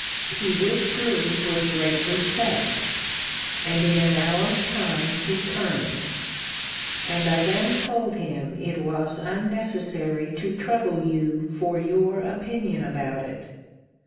He withdrew with great respect: and in an hour's time returned. And I then told him it was unnecessary to trouble you for your opinion about it.